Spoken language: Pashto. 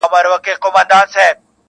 چي قاتِل مي د رڼا تر داره یو سم,